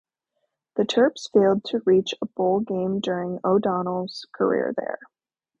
The Terps failed to reach a bowl game during O'Donnell's career there.